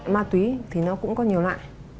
ma túy thì nó cũng có nhiều loại